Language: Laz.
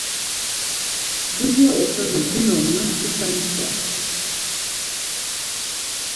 Dulya oxenu ginonna içalişare.